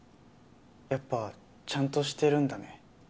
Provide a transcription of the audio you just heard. やっぱちゃんとしてるんだね。